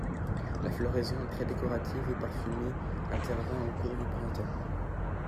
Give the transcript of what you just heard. La floraison, très décorative et parfumée, intervient au cours du printemps.